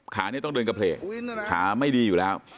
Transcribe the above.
ขานี้ต้องเดินกระเพลกขาไม่ดีอยู่แล้ว